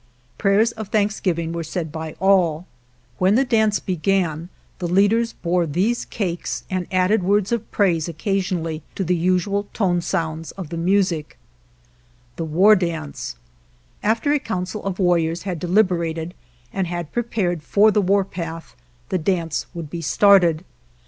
Prayers of Thanksgiving were said by all. When the dance began 190 13 ^, t I ••>* e •* Chihuahua and Family UNWRITTEN LAWS the leaders bore these cakes and added words of praise occasionally to the usual tone sounds of the music. The War Dance After a council of the warriors had de liberated, and had prepared for the warpath, the dance would be started.